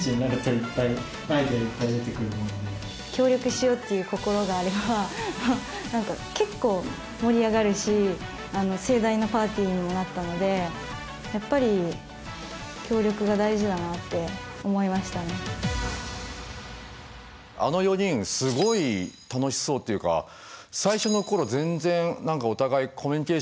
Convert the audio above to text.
協力しようっていう心があれば何か結構盛り上がるし盛大なパーティーにもなったのでやっぱりあの４人すごい楽しそうっていうか最初の頃全然お互いコミュニケーション